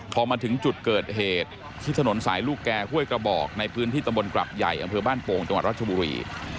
พอมาถึงจุดเกิดเหตุที่ถนนสายลูกแก่ห้วยกระบอกในพื้นที่ตำบลกรับใหญ่อำเภอบ้านโป่งจังหวัดรัชบุรี